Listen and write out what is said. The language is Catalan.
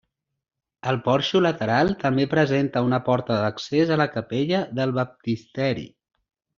El porxo lateral també presenta una porta d'accés a la capella del Baptisteri.